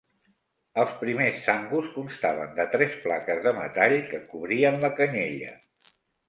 Els primers sangus constaven de tres plaques de metall que cobrien la canyella.